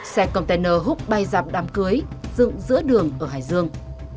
xe container hút bay dạp đám cưới dựng giữa đường ở hải dương